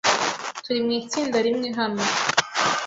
Turi mu itsinda rimwe hano.